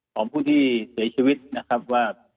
ของผู้ที่เสียชีวิตนะครับว่า